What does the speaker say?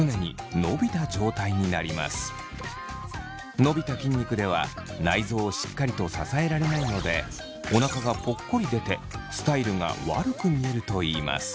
伸びた筋肉では内臓をしっかりと支えられないのでおなかがぽっこり出てスタイルが悪く見えるといいます。